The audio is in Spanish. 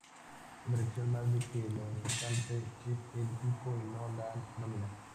Una lección más de que lo importante es el equipo y no la nómina.